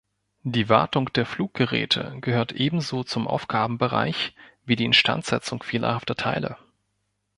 Die Wartung der Fluggeräte gehört ebenso zum Aufgabenbereich wie die Instandsetzung fehlerhafter Teile.